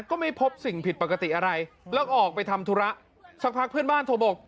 ก็ไม่พบสิ่งผิดปกติอะไรแล้วออกไปทำธุระสักพักเพื่อนบ้านโทรบอก